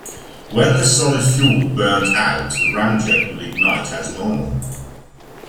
When the solid fuel burned out the ramjet would ignite as normal.